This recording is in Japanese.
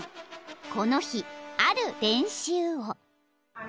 ［この日ある練習を］